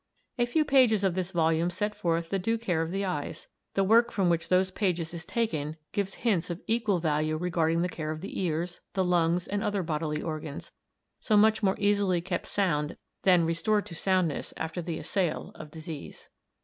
A few pages of this volume set forth the due care of the eyes: the work from which those pages is taken gives hints of equal value regarding the care of the ears, the lungs and other bodily organs, so much more easily kept sound than restored to soundness after the assail of disease.